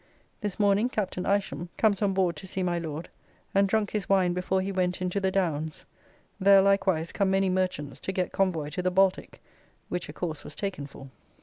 This morning Capt. Isham comes on board to see my Lord and drunk his wine before he went into the Downs, there likewise come many merchants to get convoy to the Baltique, which a course was taken for.